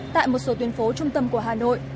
tại một số tuyến phố trung tâm của hà nội